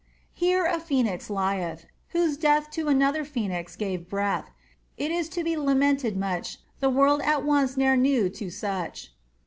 Here a phceniz lieth, whose death To another phoenix gave breath: It is to be lamented much The world at once ne'er knew two snch.